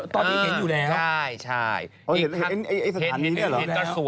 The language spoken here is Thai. อ๋อตอนนี้เห็นอยู่แล้ว